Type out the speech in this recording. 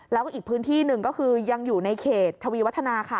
แล้วก็อีกพื้นที่หนึ่งก็คือยังอยู่ในเขตทวีวัฒนาค่ะ